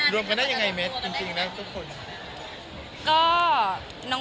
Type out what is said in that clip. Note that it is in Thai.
รวมกันได้ยังไงเม็ดจริงนะทุกคน